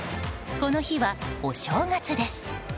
この日はお正月です。